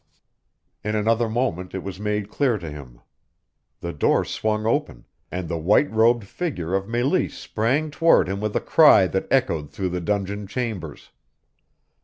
In another moment it was made clear to him. The door swung open, and the white robed figure of Meleese sprang toward him with a cry that echoed through the dungeon chambers.